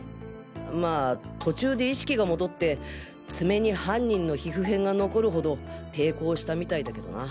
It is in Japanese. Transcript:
まぁ途中で意識がもどって爪に犯人の皮膚片が残るほど抵抗したみたいだけどな。